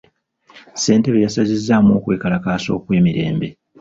Ssentebe yasazizzaamu okwekalakaasa okw'emirembe.